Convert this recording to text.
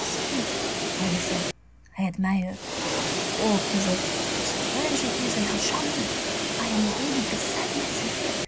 Speak, I listen, I admire. Oh Cosette! how strange it is and how charming! I am really beside myself.